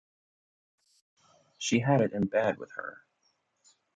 She had it in bed with her.